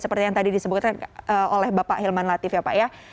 seperti yang tadi disebutkan oleh bapak hilman latif ya pak ya